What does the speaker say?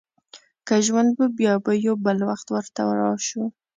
که ژوند و، بیا به یو بل وخت ورته راشو.